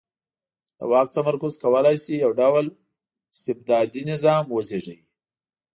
د واک تمرکز کولای شي یو ډ ول استبدادي نظام وزېږوي.